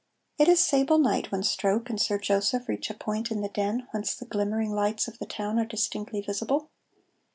It is sable night when Stroke and Sir Joseph reach a point in the Den whence the glimmering lights of the town are distinctly visible.